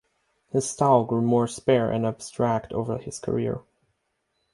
His style grew more spare and abstract over his career.